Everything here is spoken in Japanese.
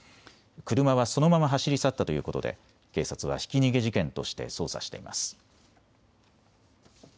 車はそのまま走り去ったということで警察はひき逃げ事件として捜査しています。